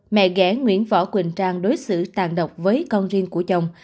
mẹ ghẽ nguyễn võ quỳnh trang đối xử tàn độc với con riêng của chồng